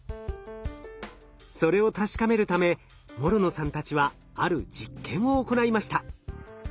それを確かめるため諸野さんたちはある実験を行いました。